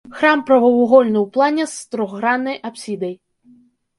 Храм прамавугольны ў плане, з трохграннай апсідай.